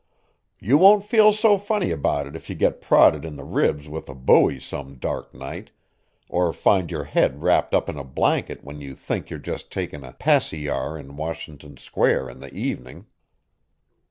"You won't feel so funny about it if you get prodded in the ribs with a bowie some dark night, or find your head wrapped up in a blanket when you think you're just taking a 'passy ar' in Washington Square in the evening."